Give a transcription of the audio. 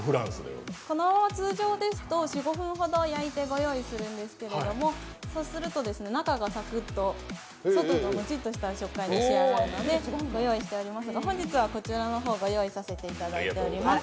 このまま通常ですと４５分ほど焼いてご用意するんですけど、そうすると中がサクッと、外がモチッとした食感に仕上がるので、本日はこちらをご用意させていただいております。